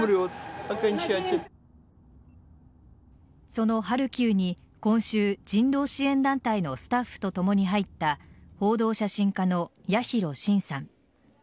そのハルキウに今週人道支援団体のスタッフとともに入った報道写真家の八尋伸さん。